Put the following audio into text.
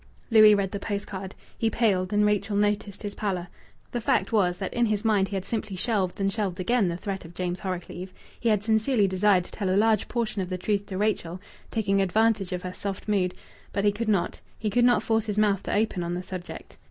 Louis read the post card. He paled, and Rachel noticed his pallor. The fact was that in his mind he had simply shelved, and shelved again, the threat of James Horrocleave. He had sincerely desired to tell a large portion of the truth to Rachel, taking advantage of her soft mood; but he could not; he could not force his mouth to open on the subject.